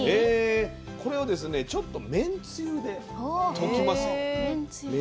これをですねちょっとめんつゆで溶きます。